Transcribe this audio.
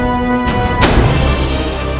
laku baju pandemi karantina usia speed